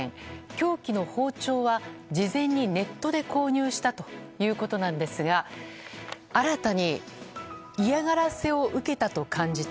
凶器の包丁は事前にネットで購入したということですが新たに嫌がらせを受けたと感じた。